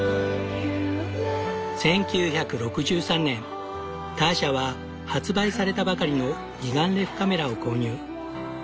１９６３年ターシャは発売されたばかりの二眼レフカメラを購入。